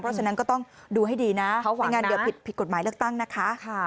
เพราะฉะนั้นก็ต้องดูให้ดีนะในงานเดียวผิดกฎหมายเลือกตั้งนะคะ